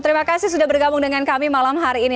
terima kasih sudah bergabung dengan kami malam hari ini